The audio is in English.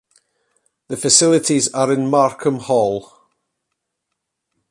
The facilities are in Markham Hall.